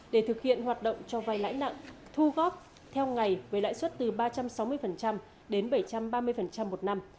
để thực hiện hoạt động cho vai lãi nặng thu góp theo ngày với lãi suất từ ba trăm sáu mươi đến bảy trăm ba mươi một năm